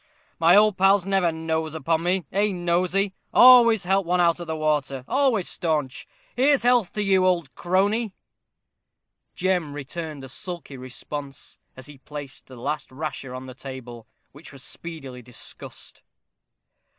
My old pals never nose upon me eh, Nosey always help one out of the water always staunch. Here's health to you, old crony." Jem returned a sulky response, as he placed the last rasher on the table, which was speedily discussed.